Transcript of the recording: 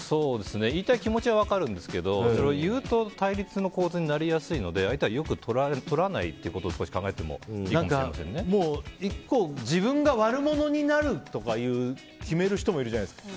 言いたい気持ちは分かるんですけどそれを言うと対立の構図になりやすいので相手によくとられないって少し考えても自分が悪者になるとか決める人もいるじゃないですか。